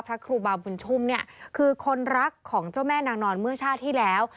พระครูบาบุญชุมเนี่ยคือคนรักของเจ้าแม่นางนอนเมื่อชาติที่แล้ว